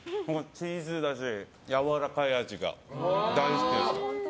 チーズだしやわらかい味が大好きです。